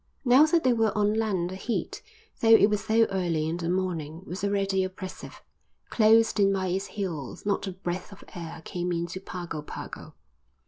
Now that they were on land the heat, though it was so early in the morning, was already oppressive. Closed in by its hills, not a breath of air came in to Pago Pago.